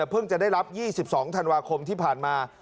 เพิ่งจะได้รับ๒๒ธันวาคมที่ผ่านมา